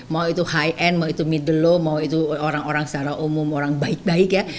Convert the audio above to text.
mau itu high end mau itu middle mau itu orang orang secara umum orang baik baik ya